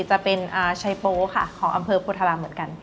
จะเป็นชัยโป๊ค่ะของอำเภอโพธารามเหมือนกัน